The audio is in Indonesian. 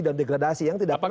dan degradasi yang tidak pernah